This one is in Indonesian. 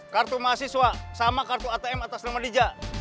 kartu mahasiswa sama kartu atm atas nama lija